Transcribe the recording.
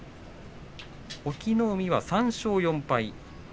隠岐の海は３勝４敗。